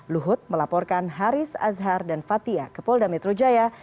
luhut melaporkan haris azhar dan fathia ke polda metro jaya